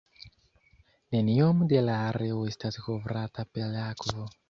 Neniom da la areo estas kovrata per akvo.